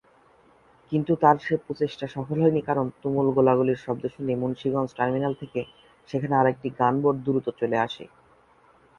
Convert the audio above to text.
কিন্তু তার সে প্রচেষ্টা সফল হয়নি কারণ তুমুল গোলাগুলির শব্দ শুনে মুন্সিগঞ্জ টার্মিনাল থেকে সেখানে আরেকটি গানবোট দ্রুত চলে আসে।